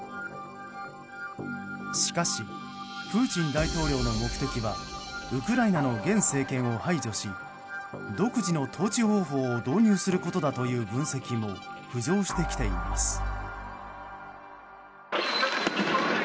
しかし、プーチン大統領の目的はウクライナの現政権を排除し独自の統治方法を導入することだという分析も浮上してきています。